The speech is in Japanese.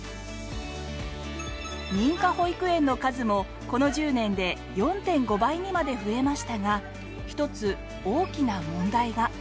認可保育園の数もこの１０年で４．５倍にまで増えましたが一つ大きな問題が。